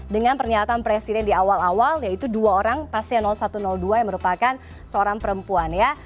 dengan pernyataan presiden di awal awal yaitu dua orang pasien satu ratus dua yang merupakan seorang perempuan ya